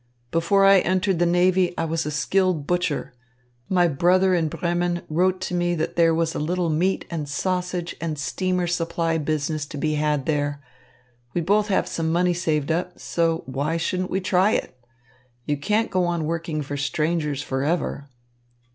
Before I entered the navy, I was a skilled butcher. My brother in Bremen wrote to me that there was a little meat and sausage and steamer supply business to be had there. We both have some money saved up. So why shouldn't we try it? You can't go on working for strangers forever."